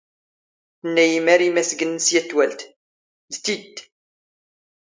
"ⵜⵏⵏⴰ ⵉⵢⵉ ⵎⴰⵔⵉ ⵎⴰⵙ ⴳⵏⵏ ⵙ ⵢⴰⵜ ⵜⵡⴰⵍⵜ." "ⴷ ⵜⵉⴷⵜ?"